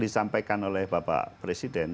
disampaikan oleh bapak presiden